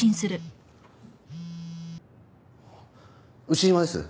牛島です。